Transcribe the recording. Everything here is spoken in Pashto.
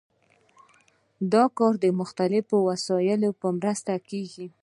دا کار د مختلفو وسایلو په مرسته کیږي.